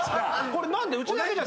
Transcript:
これ何で？